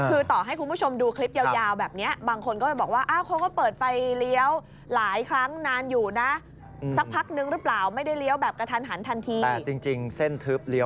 คือต่อให้คุณผู้ชมดูคลิปยาวแบบนี้